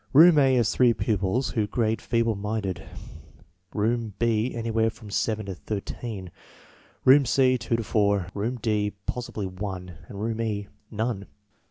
Room A has three pupils who grade feeble minded, room B anywhere from seven to thirteen, room C two to four, room D possibly one, and room E none.